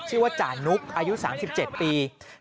ชื่อว่าจานุกอายุ๓๗ปี